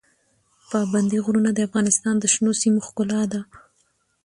پابندی غرونه د افغانستان د شنو سیمو ښکلا ده.